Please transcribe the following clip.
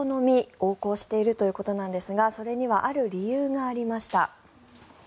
横行しているということなんですがそれにはある理由がありました。